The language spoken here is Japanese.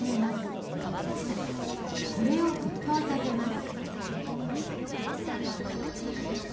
これを沸騰させます。